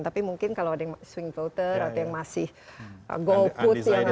tapi mungkin kalau ada yang swing voter atau yang masih golput ya